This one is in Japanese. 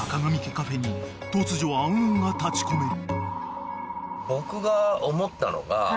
カフェに突如暗雲が立ち込める］